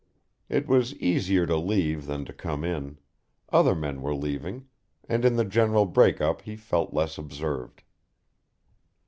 It was easier to leave than to come in, other men were leaving, and in the general break up he felt less observed.